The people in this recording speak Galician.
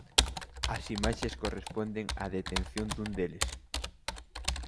As imaxes corresponden á detención dun deles.